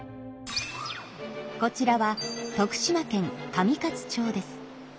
こちらは徳島県上勝町です。